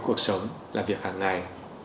cuộc sống làm việc hàng ngày